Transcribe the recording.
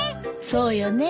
そうよね。